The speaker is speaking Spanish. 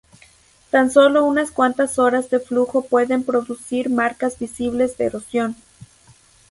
Tan solo unas cuantas horas de flujo pueden producir marcas visibles de erosión.